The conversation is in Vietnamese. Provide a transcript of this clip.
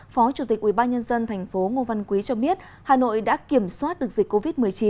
phó chủ tịch ubnd tp ngô văn quý cho biết hà nội đã kiểm soát được dịch covid một mươi chín